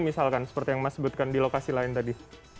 misalkan seperti yang mas sebutkan di lokasi lain tadi